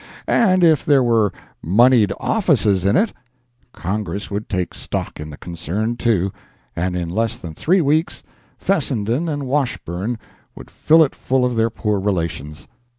And if there were moneyed offices in it, Congress would take stock in the concern, too, and in less than three weeks Fessenden and Washburne would fill it full of their poor relations.